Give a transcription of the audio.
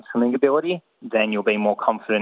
demikian dikatakan oleh michelle maseni